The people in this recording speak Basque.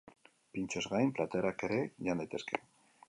Pintxoez gain, platerak ere jan daitezke.